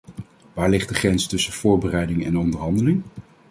Waar ligt de grens tussen voorbereiding en onderhandeling?